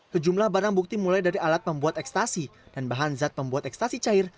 sejumlah barang bukti mulai dari alat pembuat ekstasi dan bahan zat pembuat ekstasi cair